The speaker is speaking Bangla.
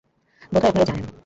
বোধহয় আপনারা জানেন।